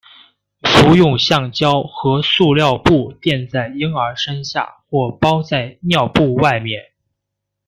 不用橡胶和塑料布垫在婴儿身下或包在尿布外面。